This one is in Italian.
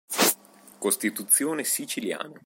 Costituzione siciliana